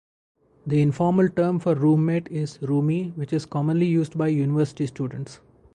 The informal term for roommate is roomie, which is commonly used by university students.